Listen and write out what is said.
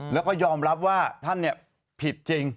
แล้วก็ยอมรับว่าท่านผิดจริง